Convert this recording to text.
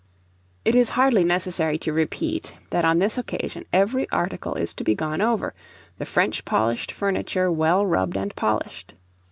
It is hardly necessary to repeat, that on this occasion every article is to be gone over, the French polished furniture well rubbed and polished.